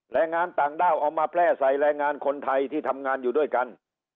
แรงงานต่างด้าวเอามาแพร่ใส่แรงงานคนไทยที่ทำงานอยู่ด้วยกัน